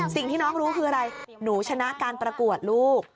สิ่งที่น้องรู้คืออะไรหนูชนะการประกวดลูก